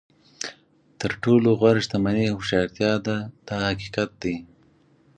تر ټولو غوره شتمني هوښیارتیا ده دا حقیقت دی.